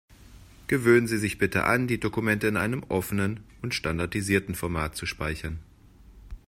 Gewöhnen Sie sich bitte an, die Dokumente in einem offenen und standardisierten Format zu speichern.